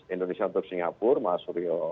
indonesia untuk singapura mas rio